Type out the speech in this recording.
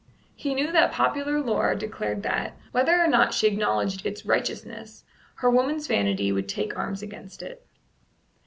He knew that popular lore declared that, whether or not she acknowledged its righteousness, her woman's vanity would take arms against it.